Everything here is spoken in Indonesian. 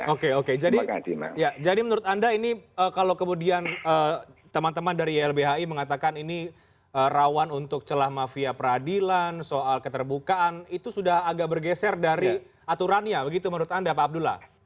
oke oke jadi menurut anda ini kalau kemudian teman teman dari ylbhi mengatakan ini rawan untuk celah mafia peradilan soal keterbukaan itu sudah agak bergeser dari aturannya begitu menurut anda pak abdullah